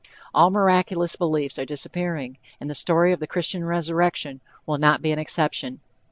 All miraculous beliefs are disappearing, and the story of the Christian resurrection will not be an exception.